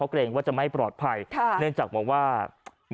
กลับมาพร้อมขอบความ